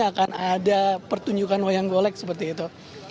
akan ada pertunjukan wayang golek seperti itu